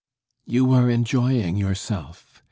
"You were enjoying yourself!"